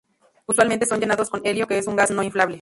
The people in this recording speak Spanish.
Usualmente son llenados con helio, que es un gas no inflamable.